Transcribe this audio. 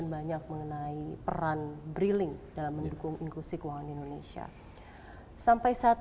banyak mengenai peran briling dalam mendukung inklusi keuangan indonesia sampai saat